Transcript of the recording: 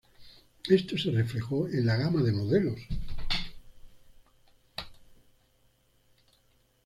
Esto se reflejó en la gama de modelos.